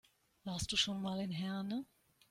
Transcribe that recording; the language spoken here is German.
Warst du schon mal in Herne?